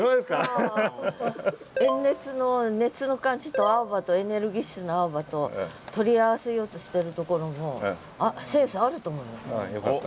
炎熱の熱の感じと青葉とエネルギッシュな青葉と取り合わせようとしてるところもああよかった。